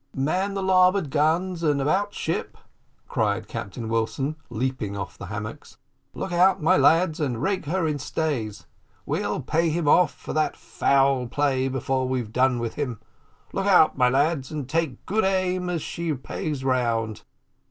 "Man the larboard guns and about ship!" cried Captain Wilson, leaping off the hammocks. "Look out, my lads, and rake her in stays! We'll pay him off for that foul play before we've done with him. Look out, my lads, and take good aim as she pays round."